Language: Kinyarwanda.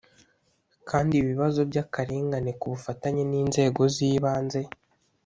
kandi ibibazo by akarengane ku bufatanye n inzego z ibanze